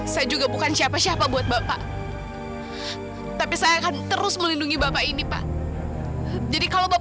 sampai jumpa di video selanjutnya